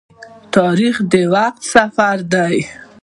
تاریخ د وخت سفر دی.